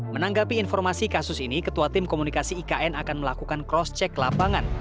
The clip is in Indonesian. menanggapi informasi kasus ini ketua tim komunikasi ikn akan melakukan cross check lapangan